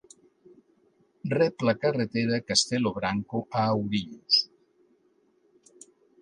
Rep la carretera Castelo Branco a Ourinhos.